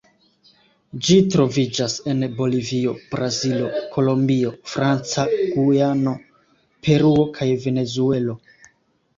Ĝi troviĝas en Bolivio, Brazilo, Kolombio, Franca Gujano, Peruo kaj Venezuelo.